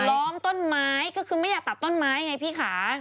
ล้อมต้นไม้ก็คือไม่อยากตัดต้นไม้ไงพี่ค่ะ